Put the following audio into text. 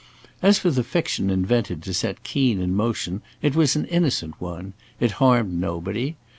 As for the fiction invented to set Keen in motion, it was an innocent one. It harmed nobody.